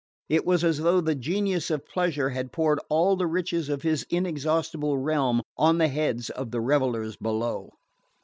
It was as though the genius of Pleasure had poured all the riches of his inexhaustible realm on the heads of the revellers below.